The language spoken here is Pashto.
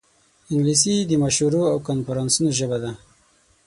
انګلیسي د مشورو او کنفرانسونو ژبه ده